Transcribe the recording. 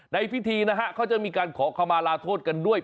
ในพิธีนะฮะเขาจะมีการขอขมาลาโทษกันด้วย